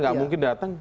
gak mungkin datang